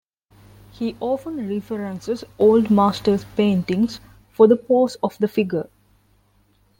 He often references Old Masters paintings for the pose of the figure.